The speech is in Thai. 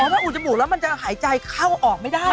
ถ้าอุดจมูกแล้วมันจะหายใจเข้าออกไม่ได้